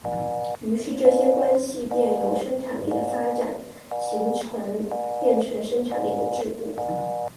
于是这些关系便由生产力的发展形式变成生产力的桎梏。